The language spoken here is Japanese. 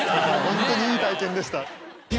ホントにいい体験でした。